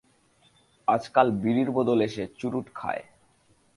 আজকাল বিড়ির বদলে সে চুরুট খায়!